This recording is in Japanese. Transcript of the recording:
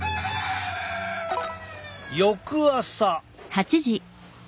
翌朝。